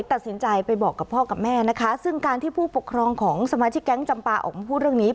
ตัดสินใจไปบอกกับพ่อกับแม่นะคะซึ่งการที่ผู้ปกครองของสมาชิกแก๊งจำปาออกมาพูดเรื่องนี้